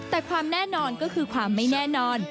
แต่ความแน่นอนก็คือความไม่แน่นอน